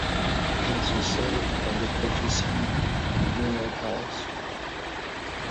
It is the site of the Portici Royal Palace.